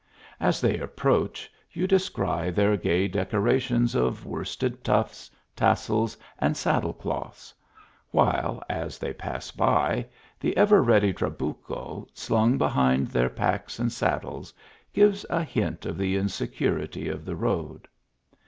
As they ap proach, you descry their gay decorations of worsted tufts tassels, and saddle cloths ; while, as they pass by, the ever ready tralrucho, slung behind their packs and saddles, gives a hint of the insecurity of the road.